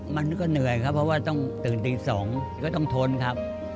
มันก็เหนื่อยครับเพราะว่าต้องตื่นตี๒ก็ต้องทนครับ